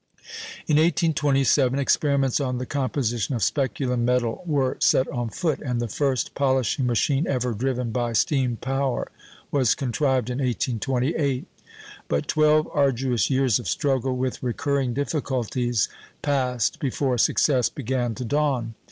In 1827 experiments on the composition of speculum metal were set on foot, and the first polishing machine ever driven by steam power was contrived in 1828. But twelve arduous years of struggle with recurring difficulties passed before success began to dawn.